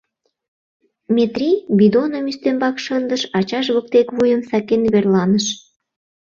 Метрий бидоным ӱстембак шындыш, ачаж воктек вуйым сакен верланыш.